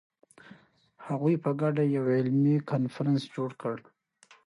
هغوی په ګډه یو علمي کنفرانس جوړ کړ.